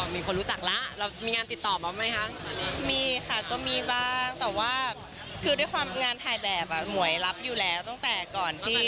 มีคนรู้จักแล้วเรามีงานติดต่อมาไหมคะมีค่ะก็มีบ้างแต่ว่าคือด้วยความงานถ่ายแบบหมวยรับอยู่แล้วตั้งแต่ก่อนที่